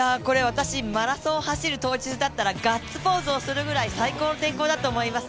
マラソンを走る当日だったらガッツポーズをするぐらい最高の天候だと思います。